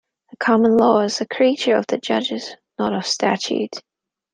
The common law is a creature of the judges, not of statute.